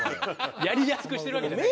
やりやすくしてるわけじゃない。